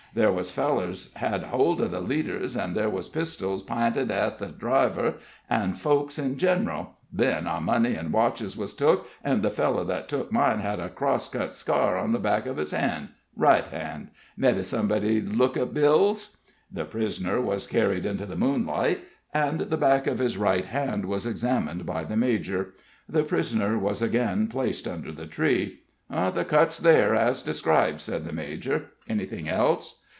There was fellers had hold of the leaders, an' there was pistols p'inted at the driver an' folks in general. Then our money an' watches was took, an' the feller that took mine had a cross cut scar on the back of his hand right hand; maybe somebody'll look at Bill's." The prisoner was carried into the moonlight, and the back of his right hand was examined by the major. The prisoner was again placed under the tree. "The cut's there, as described," said the major. "Anything else?"